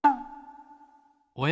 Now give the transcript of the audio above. おや？